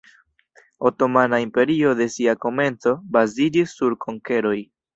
Otomana Imperio de sia komenco baziĝis sur konkeroj.